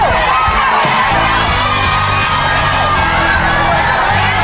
โอ้หมดทีละสองตัวแล้วนะฮะ